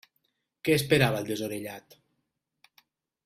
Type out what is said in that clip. Què esperava el desorellat?